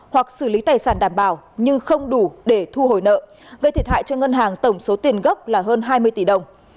hoặc xử lý tài sản đảm bảo nhưng không đủ để thu hồi nợ gây thiệt hại cho ngân hàng tổng số tiền gốc là hơn hai mươi tỷ đồng